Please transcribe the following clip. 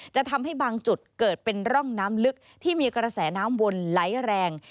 จะทำให้บางจุดเกิดเป็นร่องน้ำลึกที่มีกระแสน้ำวนไหลแรง